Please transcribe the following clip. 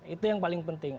itu yang paling penting